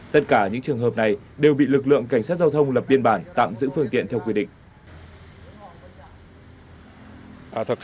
tất cả những trường hợp này đều bị lực lượng cảnh sát giao thông lập biên bản tạm giữ phương tiện theo quy định